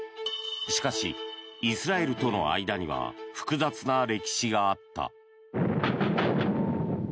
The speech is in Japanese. しかしイスラエルとの間には複雑な歴史があった。